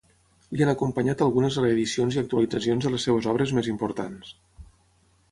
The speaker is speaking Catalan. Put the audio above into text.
Li han acompanyat algunes reedicions i actualitzacions de les seves obres més importants.